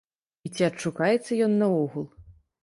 І ці адшукаецца ён наогул.